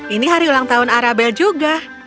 ini hari ulang tahun arabel juga